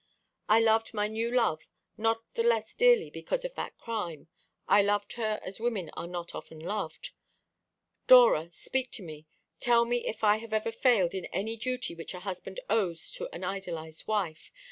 I loved my new love not the less dearly because of that crime. I loved her as women are not often loved. Dora, speak to me; tell me if I have ever failed in any duty which a husband owes to an idolised wife.